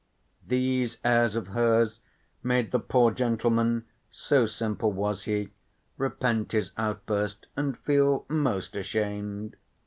These airs of hers made the poor gentleman (so simple was he) repent his outburst and feel most ashamed.